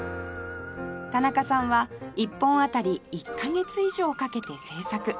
田中さんは１本当たり１カ月以上かけて製作